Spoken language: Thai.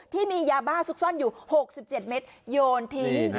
ที่มียาบ้าซุกซ่อนอยู่๖๗เมตรโยนทิ้ง